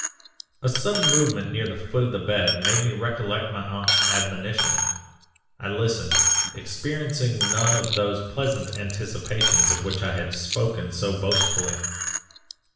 "A sudden movement near the foot of the bed made me recollect my aunt's admonition. I listened, experiencing none of those pleasant anticipations of which I had spoken so boastfully.